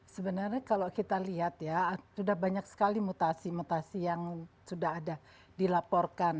sebenarnya kalau kita lihat ya sudah banyak sekali mutasi mutasi yang sudah ada dilaporkan